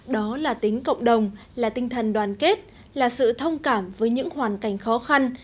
đó là tính cộng đồng là tinh thần đoàn kết là sự thông cảm với những hoàn cảnh khó khăn